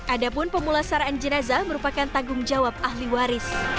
adapun pemulasaraan jenazah merupakan tanggung jawab ahli waris